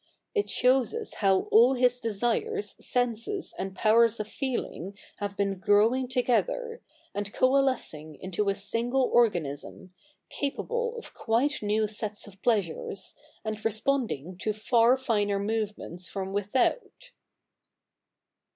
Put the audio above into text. If shows us how all his desi7 es, senses, and powers of feeling have been growing together, and coalescing into a single 07ganis77i, capable of quite new sets of pleasures, and 7'espondi7ig to far fi7ier 7nove7nenfs f/'077i without.''''